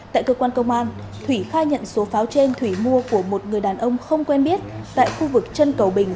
tại cơ quan công an thủy khai nhận số pháo trên thủy mua của một người đàn ông không quen biết tại khu vực trân cầu bình